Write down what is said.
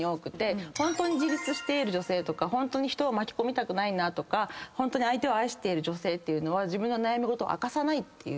ホントに自立している女性とか人を巻き込みたくないなとかホントに相手を愛している女性は自分の悩み事を明かさない。